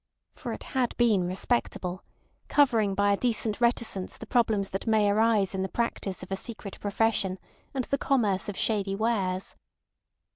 For it had been respectable, covering by a decent reticence the problems that may arise in the practice of a secret profession and the commerce of shady wares.